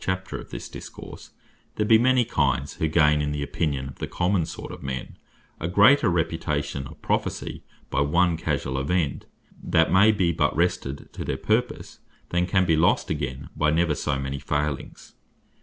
chapter of this Discourse) there be many kinds, who gain in the opinion of the common sort of men, a greater reputation of Prophecy, by one casuall event that may bee but wrested to their purpose, than can be lost again by never so many failings.